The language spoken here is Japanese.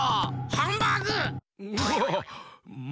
ハンバーグ！